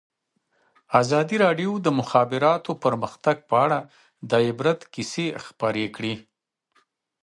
ازادي راډیو د د مخابراتو پرمختګ په اړه د عبرت کیسې خبر کړي.